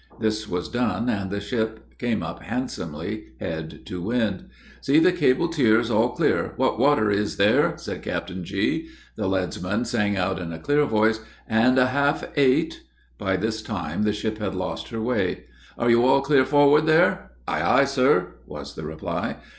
This was done, and the ship came up handsomely, head to wind, "See the cable tiers all clear what water is there?" said Captain G. The leadsman sang out in a clear voice, "And a half eight!" By this time, the ship had lost her way. "Are you all clear forward there?" "Ay, ay, sir!" was the reply.